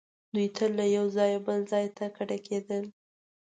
دوی تل له یو ځایه بل ځای ته کډېدل.